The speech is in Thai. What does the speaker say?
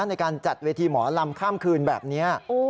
ในการจัดเวทีหมอลำข้ามคืนแบบนี้